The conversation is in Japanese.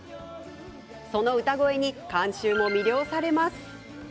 その歌声に観衆も魅了されます。